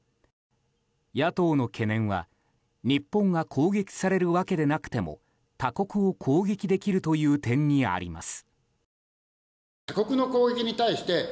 野党の懸念は日本が攻撃されるわけでなくても他国を攻撃できるという点にあります。